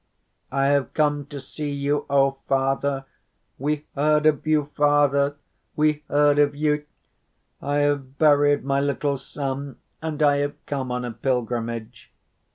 I have come to see you, O Father! We heard of you, Father, we heard of you. I have buried my little son, and I have come on a pilgrimage.